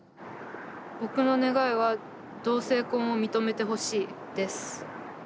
僕の願いは同性婚を認めてほしいです。